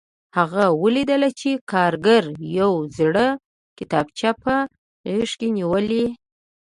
هغه ولیدل چې کارګر یوه زړه کتابچه په غېږ کې نیولې